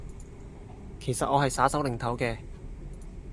其實我係耍手擰頭嘅